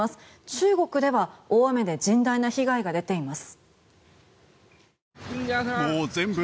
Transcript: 中国では大雨で甚大な被害が出ています。